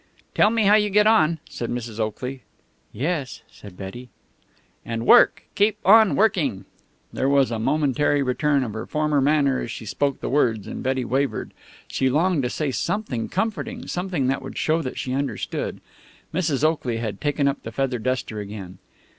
"Tell me how you get on," said Mrs. Oakley. "Yes," said Betty. "And work. Keep on working!" There was a momentary return of her former manner as she spoke the words, and Betty wavered. She longed to say something comforting, something that would show that she understood. Mrs. Oakley had taken up the feather duster again.